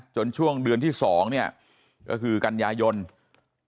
ช่วงเดือนที่๒เนี่ยก็คือกันยายน